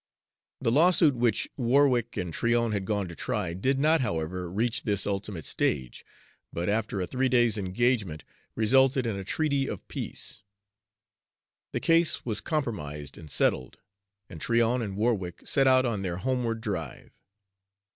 The lawsuit which Warwick and Tryon had gone to try did not, however, reach this ultimate stage, but, after a three days' engagement, resulted in a treaty of peace. The case was compromised and settled, and Tryon and Warwick set out on their homeward drive.